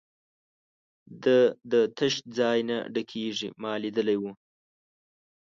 د ده تش ځای نه ډکېږي، ما لیدلی وو.